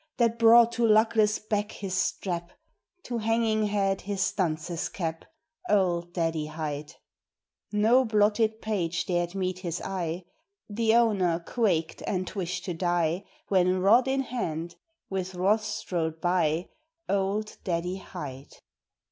That brought to luckless back his strap, To hanging head his Dunce's cap Old Daddy Hight. No blotted page dared meet his eye; The owner quaked and wished to die, When rod in hand, with wrath strode by Old Daddy Hight.